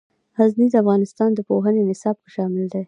غزني د افغانستان د پوهنې نصاب کې شامل دي.